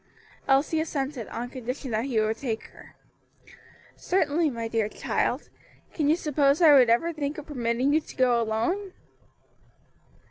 Elsie assented, on condition that he would take her. "Certainly, my dear child, can you suppose I would ever think of permitting you to go alone?"